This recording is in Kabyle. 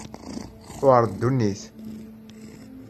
Tuɛer ddunit.